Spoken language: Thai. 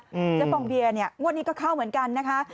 เจ๊ฟองเบียร์เนี่ยงวดนี้ก็เข้าเหมือนกันนะคะ